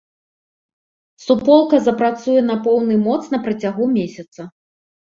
Суполка запрацуе на поўны моц на працягу месяца.